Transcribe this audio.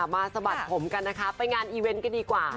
สะบัดผมกันนะคะไปงานอีเวนต์กันดีกว่า